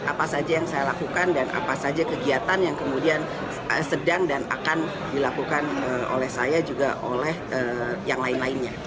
apa saja yang saya lakukan dan apa saja kegiatan yang kemudian sedang dan akan dilakukan oleh saya juga oleh yang lain lainnya